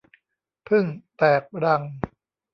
ผึ้งแตกรัง